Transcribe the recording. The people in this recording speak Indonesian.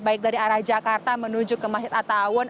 baik dari arah jakarta menuju ke masjid atta awun